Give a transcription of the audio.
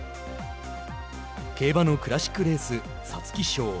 競馬のクラシックレース皐月賞。